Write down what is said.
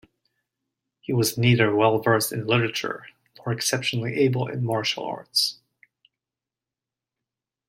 He was neither well versed in literature nor exceptionally able in martial arts.